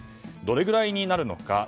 どれぐらいになるのか。